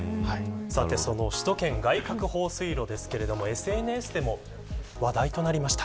その首都圏外郭放水路ですがＳＮＳでも話題となりました。